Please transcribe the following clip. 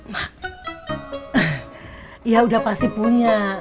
wah ya udah pasti punya